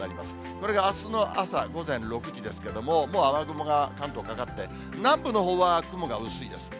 これがあすの朝午前６時ですけども、もう雨雲が関東かかって、南部のほうは雲が薄いです。